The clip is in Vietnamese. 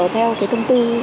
theo cái thông tư